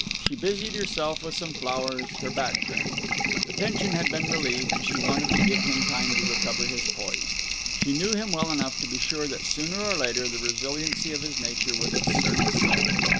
She busied herself with some flowers, her back turned. The tension had been relieved, and she wanted to give him time to recover his poise. She knew him well enough to be sure that, sooner or later, the resiliency of his nature would assert itself.